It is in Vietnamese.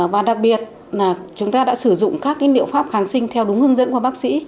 và đặc biệt là chúng ta đã sử dụng các liệu pháp kháng sinh theo đúng hướng dẫn của bác sĩ